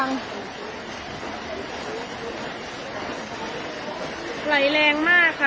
ไหลแรงมากค่ะ